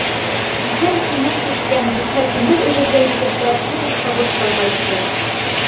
Иҫән-имен киткән типһә тимер өҙөрҙәй егеттәр цинк табутта ҡайтты.